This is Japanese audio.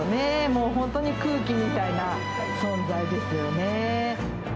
もう本当に空気みたいな存在ですよね。